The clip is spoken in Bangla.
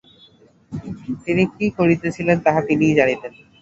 তিনি কি করিতেছিলেন, তাহা তিনিই জানিতেন।